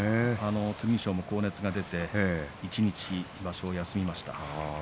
剣翔も高熱が出て一日、場所を休みました。